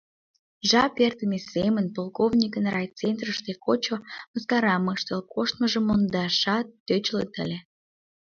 Жап эртыме семын, «полковникын» райцентрыште кочо мыскарам ыштыл коштмыжым мондашат тӧчылыт ыле.